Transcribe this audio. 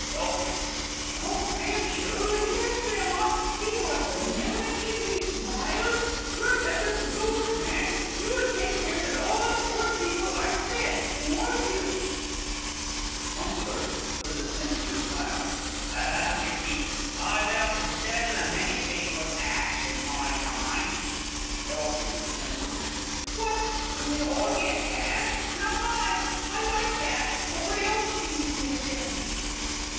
Elfie. Oh, I am sure he does, Grandma! See how benevolently he smiles. You're such a good old man, you will take care that all the poor people are fed, won't you? [Illustration: Little Elfie.] Monks. (with a sinister smile). Ah! Missie, I've 'elped to settle a many people's 'ash in my time! Elfie (innocently). What, do they all get hash? How nice! I like hash, but what else do you give them?